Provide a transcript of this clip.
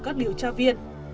các điều tra viên